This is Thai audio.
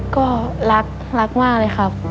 ก็รักรักมากเลยครับ